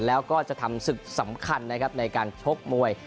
แล้วก็จะทำศึกสำคัญนะครับในการชกมวย